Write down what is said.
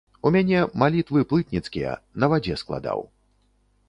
У мяне малітвы плытніцкія, на вадзе складаў.